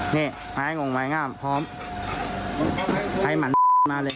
นี่ไหงงงไหวงามพร้อมไหงหมั่นมาเลย